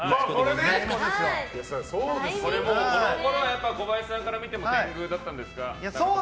このころは小林さんから見ても天狗だったんですか？